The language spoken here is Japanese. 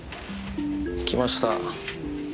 来ました。